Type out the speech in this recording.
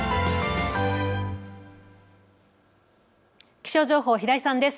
気象情報、平井さんです。